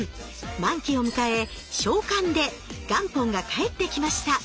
満期を迎え償還で元本が返ってきました。